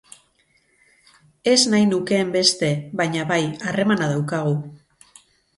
Ez nahi nukeen beste, baina, bai, harremana daukagu.